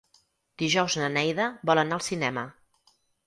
Dijous na Neida vol anar al cinema.